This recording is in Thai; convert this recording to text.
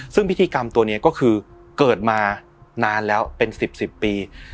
ซึ่งพิธีกรรมตัวนี้ก็คือเกิดมานานแล้วเป็น๑๐๑๐ปี